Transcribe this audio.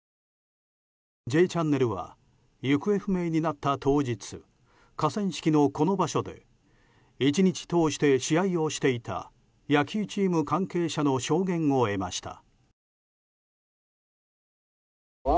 「Ｊチャンネル」は行方不明になった当日河川敷の、この場所で１日通して試合をしていた野球チーム関係者の証言を得ました。